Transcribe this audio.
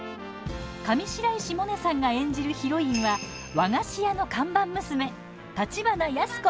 上白石萌音さんが演じるヒロインは和菓子屋の看板娘橘安子。